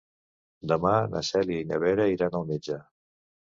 Demà na Cèlia i na Vera iran al metge.